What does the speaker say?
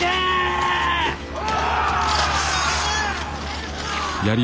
お！